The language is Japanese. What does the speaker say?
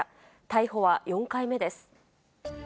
逮捕は４回目です。